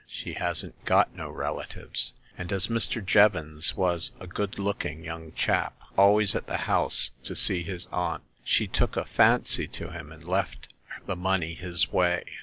She hadn't got no relatives ; and as Mr. Jevons was a good looking young chap, always at the house to see his aunt, she took a fancy to him and left the money his way."